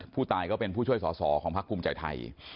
ผู้ตายก็เป็นผู้ช่วยสอของพรรคกรุมใจไทย